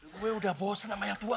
gue udah bosen sama yang tua